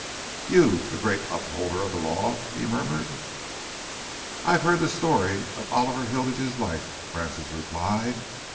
"You, the great upholder of the law?" he murmured. "I have heard the story of Oliver Hilditch's life," Francis replied.